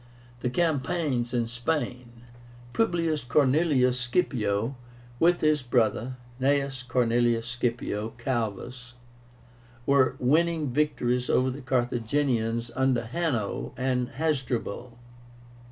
THE CAMPAIGNS IN SPAIN. PUBLIUS CORNELIUS SCIPIO, with his brother, GNAEUS CORNELIUS SCIPIO CALVUS, were winning victories over the Carthaginians under HANNO and HASDRUBAL.